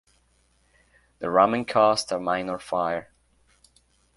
The ramming caused a minor fire.